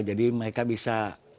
jadi mereka bisa